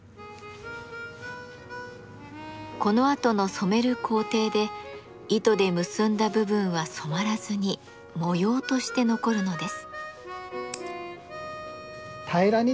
このあとの染める工程で糸で結んだ部分は染まらずに模様として残るのです。